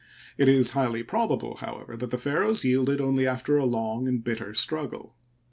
It is highly probable, however, that the pharaohs yielded only after a long and bitter struggle.